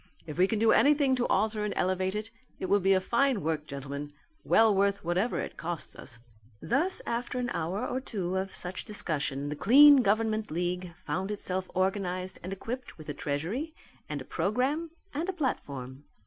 If we can do anything to alter and elevate it, it will be a fine work, gentlemen, well worth whatever it costs us." Thus after an hour or two of such discussion the Clean Government League found itself organized and equipped with a treasury and a programme and a platform.